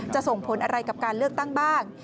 ส่งผลอะไรกับการเลือกตั้งบ้าง